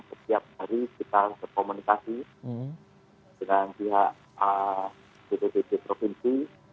setiap hari kita berkomunikasi dengan pihak bpbd provinsi